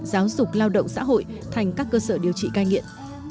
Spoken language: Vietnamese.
giáo dục lao động xã hội thành các cơ sở điều trị cai nghiện